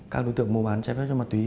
các đối tượng mua bán chất cấm má túy